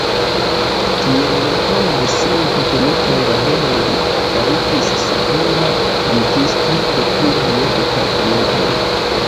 Kiel rekono de siaj teknikaj laboroj li fariĝis supera juĝisto de pluraj departementoj.